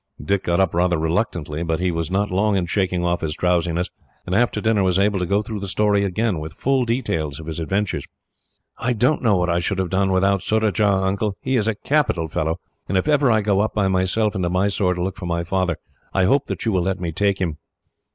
Dick got up rather reluctantly, but he was not long in shaking off his drowsiness, and after dinner was able to go through the story again, with full details of his adventures. "I don't know what I should have done without Surajah, Uncle. He is a capital fellow, and if ever I go up by myself, into Mysore, to look for my father, I hope that you will let me take him."